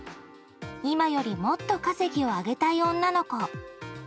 今よりもっと稼ぎを上げたい女の子。